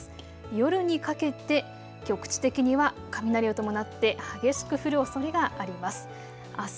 夜にかけて局地的には雷を伴って激しく降るおそれがあります。